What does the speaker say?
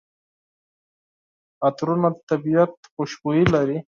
عطرونه د طبیعت خوشبويي لري.